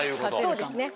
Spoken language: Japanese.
そうですね。